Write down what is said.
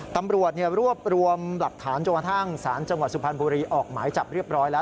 ตำรวจรวบรวมหลักฐานจนกระทั่งสารจังหวัดสุพรรณบุรีออกหมายจับเรียบร้อยแล้ว